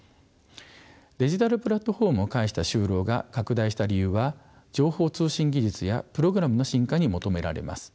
デジタルプラットフォームを介した就労が拡大した理由は情報通信技術やプログラムの進化に求められます。